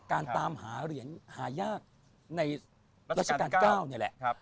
การตามหาเหรียญหายากในราชกาลเก้าเนี้ยแหละ